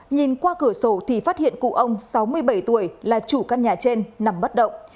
nhìn qua cửa sổ thì phát hiện cụ ông sáu mươi bảy tuổi là chủ căn nhà trên nằm bất động